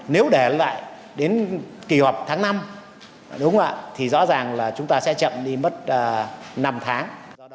nếu để lại đến kỳ họp tháng năm đúng không ạ thì rõ ràng là chúng ta sẽ chậm đi mất năm tháng